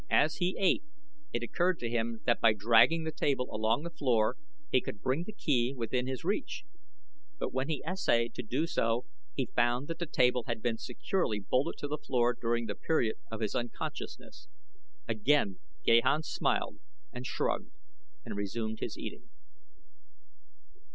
As he ate it occurred to him that by dragging the table along the floor he could bring the key within his reach, but when he essayed to do so, he found that the table had been securely bolted to the floor during the period of his unconsciousness. Again Gahan smiled and shrugged and resumed his eating.